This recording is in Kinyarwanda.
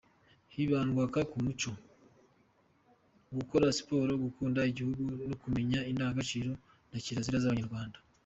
Hibandwaka ku muco, gukora siporo, gukunda igihugu no kumenya indangagaciro na kirazira by’abanyarwanda.